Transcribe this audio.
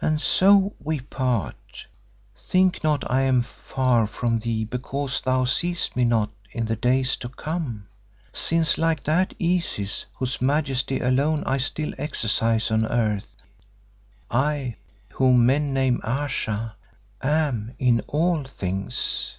"And so we part: Think not I am far from thee because thou seest me not in the days to come, since like that Isis whose majesty alone I still exercise on earth, I, whom men name Ayesha, am in all things.